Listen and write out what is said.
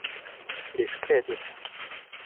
ดิสเครดิต